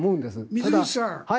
水口さん